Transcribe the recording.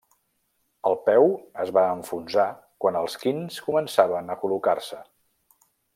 El peu es va enfonsar quan els quints començaven a col·locar-se.